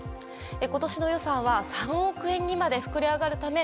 今年の予算は３億円にまで膨れ上がるため